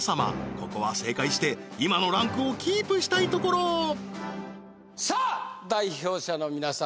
ここは正解して今のランクをキープしたいところさあ代表者の皆さん